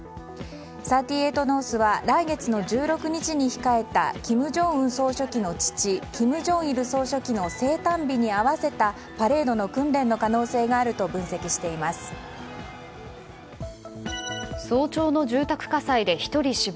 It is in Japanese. ３８ノースは来月の１６日に控えた金正恩総書記の父金正日総書記の生誕日に合わせたパレードの訓練の可能性があると早朝の住宅火災で１人死亡。